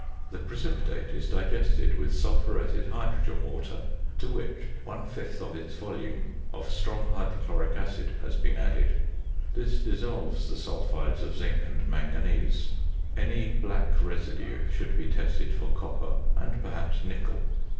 The precipitate is digested with sulphuretted hydrogen water, to which one fifth of its volume of strong hydrochloric acid has been added; this dissolves the sulphides of zinc and manganese; any black residue should be tested for copper and perhaps nickel.